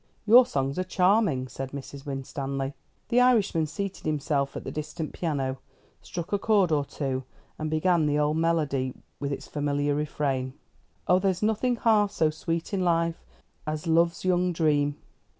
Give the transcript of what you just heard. "Your songs are charming," said Mrs. Winstanley. The Irishman seated himself at the distant piano, struck a chord or two, and began the old melody, with its familiar refrain: Oh, there's nothing half so sweet in life As love's young dream.